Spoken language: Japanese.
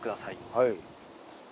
はい。